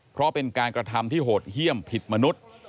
เพราะเป็นการกระทำที่โหดเยี่ยมผิดมนุษย์